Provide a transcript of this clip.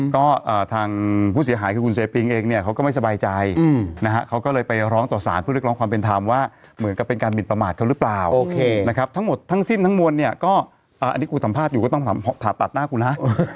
ก็ทางผู้เสียหายคือคุณเซปิงเองเนี่ยเขาก็ไม่สบายใจนะฮะเขาก็เลยไปร้องต่อสารเพื่อเรียกร้องความเป็นธรรมว่าเหมือนกับเป็นการหมินประมาทเขาหรือเปล่าโอเคนะครับทั้งหมดทั้งสิ้นทั้งมวลเนี่ยก็อันนี้กูสัมภาษณ์อยู่ก็ต้องผ่าตัดหน้ากูฮะ